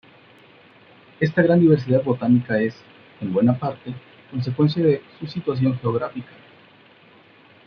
Esta gran diversidad botánica es, en buena parte, consecuencia de su situación geográfica.